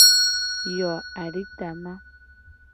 Yo aditama.